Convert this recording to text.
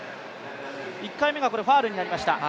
１回目がファウルになりました。